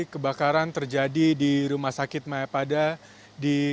kebakaran terjadi di rumah sakit mayapada di